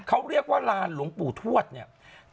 เขาเรียกว่าลานหลวงปู่ทวดเนี่ย